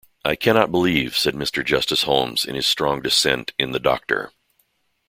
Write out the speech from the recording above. "I cannot believe", said Mr. Justice Holmes in his strong dissent in the "Dr.